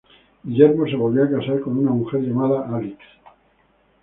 Guillermo se volvió a casar con una mujer llamada Alix.